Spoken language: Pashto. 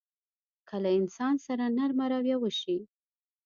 که له انسان سره نرمه رويه وشي.